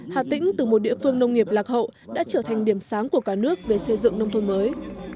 hà tĩnh từ một địa phương nông nghiệp lạc hậu đã trở thành điểm sáng của cả nước về xây dựng nông thôn mới